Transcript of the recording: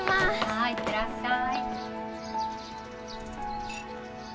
はい行ってらっしゃい。